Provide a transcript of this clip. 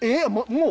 もう？